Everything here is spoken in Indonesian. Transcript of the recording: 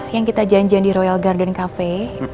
yang kita janjian di royal garden cafe